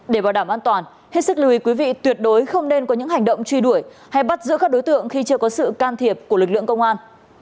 để bảo đảm an toàn hết sức lưu ý quý vị tuyệt đối không nên có những hành động truy đuổi hay bắt giữ các đối tượng khi chưa có sự can thiệp của lực lượng công an